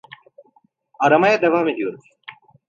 Aramaya devam ediyoruz.